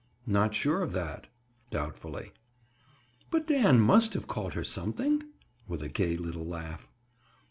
"Not sure of that!" Doubtfully. "But Dan must have called her something?" With a gay little laugh.